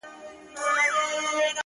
زه د بلا سره خبري كوم.!